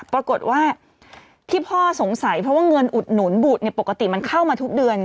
ปรากฏว่าที่พ่อสงสัยเพราะว่าเงินอุดหนุนบุตรปกติมันเข้ามาทุกเดือน